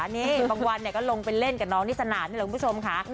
นี่บางวันเนี่ยก็ลงไปเล่นกับน้องนิสนาธิ์นะครับคุณผู้ชมค่ะ